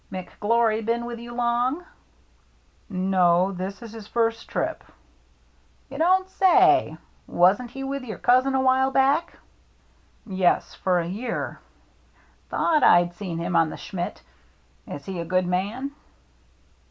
" McGlory been with you long ?"" No, this is his first trip." " You don't say so ! Wasn't he with your cousin a while back ?"" Yes, for a year." "Thought I'd seen him on the Schmidt. Is he a good man